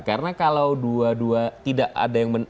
karena kalau dua dua tidak ada yang